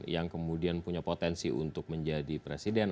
yang kemudian punya potensi untuk menjadi presiden